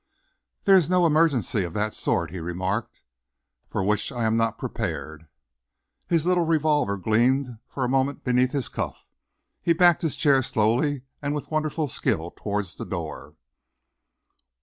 "There is no emergency of that sort," he remarked, "for which I am not prepared." His little revolver gleamed for a minute beneath his cuff. He backed his chair slowly and with wonderful skill towards the door.